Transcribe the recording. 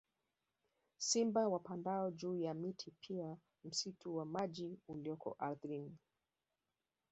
Simba wapandao juu ya miti pia msitu wa maji ulioko ardhini